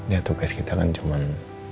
ya tuh guys kita kan cuman